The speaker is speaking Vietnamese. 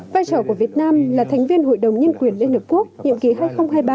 vai trò của việt nam là thành viên hội đồng nhân quyền liên hợp quốc nhiệm kỳ hai nghìn hai mươi hai nghìn hai mươi ba